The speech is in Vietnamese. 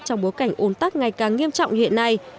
trong bối cảnh ôn tắc ngày càng nghiêm trọng như hiện nay